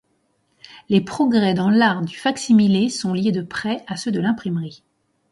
Les progrès dans l'art du fac-similé sont liés de près à ceux de l'imprimerie.